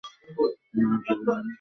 না, আমি পড়ি নি।